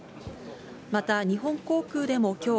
また日本航空でもきょう、